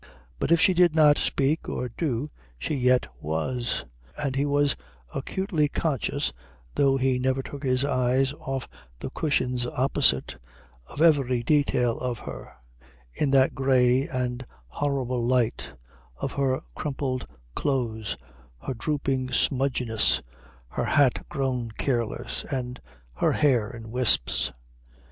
But if she did not speak or do she yet was; and he was acutely conscious, though he never took his eyes off the cushions opposite, of every detail of her in that grey and horrible light, of her crumpled clothes, her drooping smudgedness, her hat grown careless, and her hair in wisps.